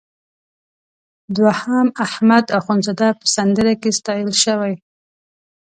دوهم احمد اخوندزاده په سندره کې ستایل شوی.